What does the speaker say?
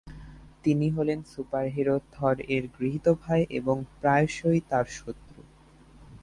তিনি হলেন সুপারহিরো থর-এর গৃহীত ভাই এবং প্রায়শ তার শত্রু।